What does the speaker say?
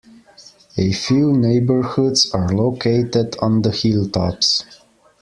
A few neighborhoods are located on the hilltops.